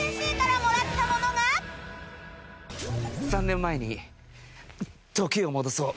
３年前に時を戻そう。